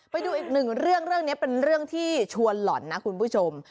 ไปดูอีกหนึ่งเรื่องเรื่องนี้เป็นเรื่องที่ชวนหล่อนนะคุณผู้ชม